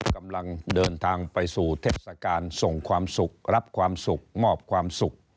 กำลังเดินทางไปสู่เทศกาลส่งความสุขรับความสุขมอบความสุข